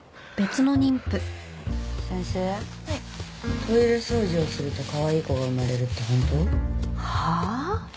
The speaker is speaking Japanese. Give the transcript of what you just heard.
トイレ掃除をするとかわいい子が生まれるって本当？